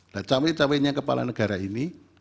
nah cawe cawenya kepala negara ini